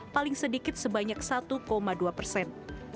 paling sedikit sebanyak satu dua persen